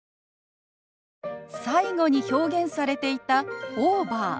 最後に表現されていた「オーバー」。